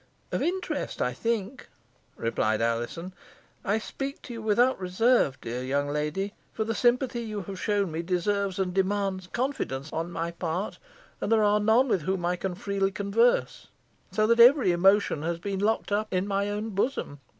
"Of interest, I think," replied Alizon. "I speak to you without reserve, dear young lady, for the sympathy you have shown me deserves and demands confidence on my part, and there are none with whom I can freely converse, so that every emotion has been locked up in my own bosom.